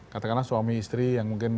katakanlah suami istri yang mungkin